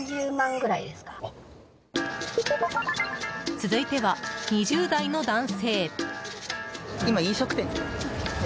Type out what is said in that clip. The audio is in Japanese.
続いては、２０代の男性。